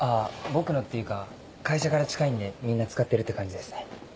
僕のっていうか会社から近いんでみんな使ってるって感じですね。